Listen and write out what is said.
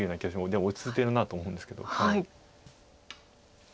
でも落ち着いてるなと思うんですけど。